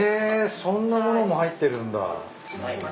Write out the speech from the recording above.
そんな物も入ってるんだ。